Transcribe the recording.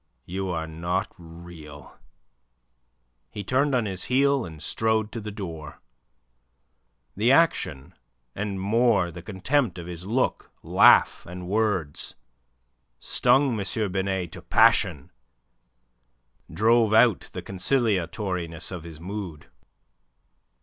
"You are not real." He turned on his heel and strode to the door. The action, and more the contempt of his look, laugh, and words stung M. Binet to passion, drove out the conciliatoriness of his mood.